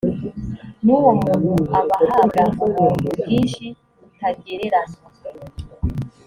n uwo muntu abahabwa ubuntu bwinshi butagereranywa